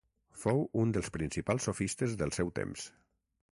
Fou un dels principals sofistes del seu temps.